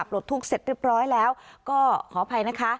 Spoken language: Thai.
ปลดทุกข์เสร็จเรียบร้อยแล้วก็ขออภัยนะคะ